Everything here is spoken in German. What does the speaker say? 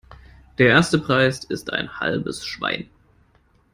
Der erste Preis ist ein halbes Schwein.